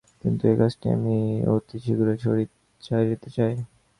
কিন্তু এই কাজটি আমি অতি শীঘ্রই সারিতে চাই।